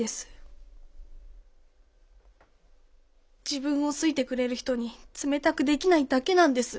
自分を好いてくれる人に冷たくできないだけなんです。